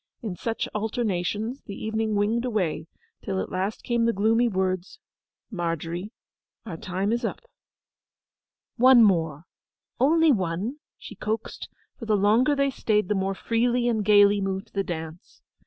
In such alternations the evening winged away; till at last came the gloomy words, 'Margery, our time is up.' 'One more—only one!' she coaxed, for the longer they stayed the more freely and gaily moved the dance.